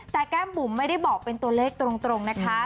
แต่แก้มบุ๋มไม่ได้บอกเป็นตัวเลขตรงนะคะ